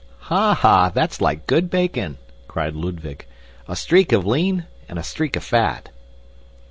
"Ha! ha! That's like good bacon," cried Ludwig. "A streak of lean and a streak of fat."